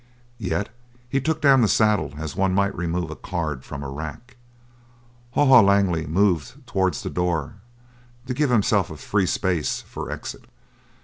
Yet he took down the saddle as one might remove a card from a rack. Haw Haw Langley moved towards the door, to give himself a free space for exit.